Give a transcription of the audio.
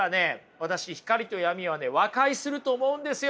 私光と闇はね和解すると思うんですよ！